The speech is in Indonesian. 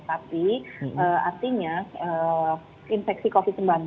tapi artinya infeksi covid sembilan belas